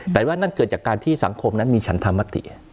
แต่ว่านั่นเกิดจากการที่สังคมนั้นมีฉันธรรมติ